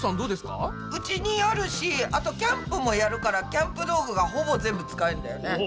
うちにあるしあとキャンプもやるからキャンプ道具がほぼ全部使えるんだよね。